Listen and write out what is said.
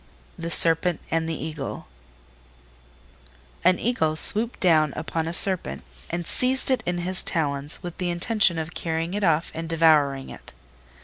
THE SERPENT AND THE EAGLE An Eagle swooped down upon a Serpent and seized it in his talons with the intention of carrying it off and devouring it.